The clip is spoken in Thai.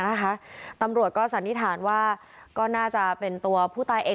นะคะตำรวจก็สันนิษฐานว่าก็น่าจะเป็นตัวผู้ตายเอง